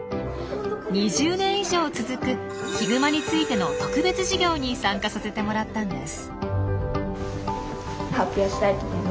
２０年以上続くヒグマについての特別授業に参加させてもらったんです。